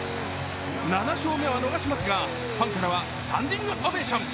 ７勝目は逃しますがファンからはスタンディングオベーション。